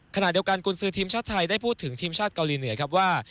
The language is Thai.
ขณะเดียวกันกุญสือทีมชาติไทยได้พูดถึงทีมชาติเกาหลีเหนือครับว่า